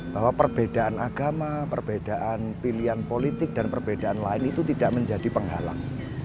bahwa perbedaan agama perbedaan pilihan politik dan perbedaan lain itu tidak menjadi penghalang